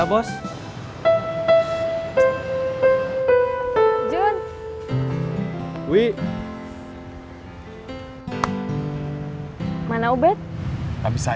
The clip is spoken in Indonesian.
ube ke rumah diza